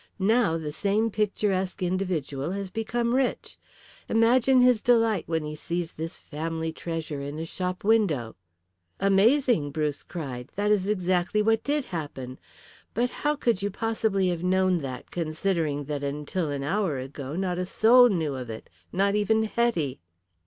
Now the same picturesque individual has become rich. Imagine his delight when he sees this family treasure in a shop window." "Amazing," Bruce cried. "That is exactly what did happen. But how could you possibly have known that considering that until an hour ago not a soul knew of it, not even Hetty!"